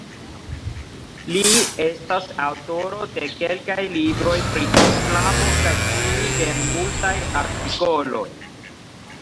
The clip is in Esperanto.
Li estas aŭtoro de kelkaj libroj pri islamo kaj tiu de multaj artikoloj.